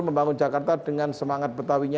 membangun jakarta dengan semangat betawinya